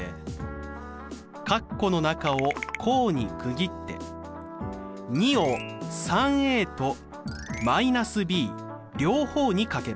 括弧の中を項に区切って２を３と−ｂ両方に掛けます。